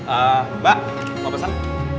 eee mbak mau pesan